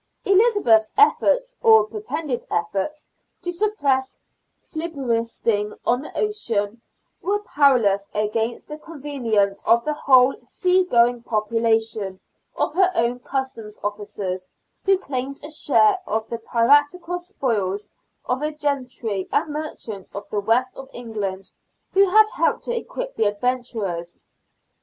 Elizabeth's efforts, or pretended efforts, to suppress filibustering on the ocean were powerless against the connivance of the whole sea going population, of her own Customs officers, who claimed a share of the piratical spoils, and of the gentry and merchants of the West of England, who helped to equip the adventurers.